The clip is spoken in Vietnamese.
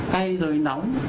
cây rồi nóng